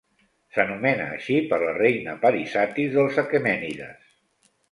S'anomena així per la reina Parisatis dels aquemènides.